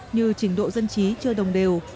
như trình độ dân trí chưa đồng đều